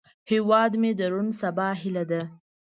هیواد مې د روڼ سبا هیله ده